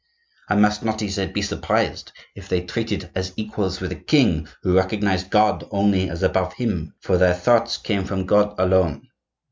I must not, he said, be surprised if they treated as equals with a king who recognized God only as above him, for their thoughts came from God alone.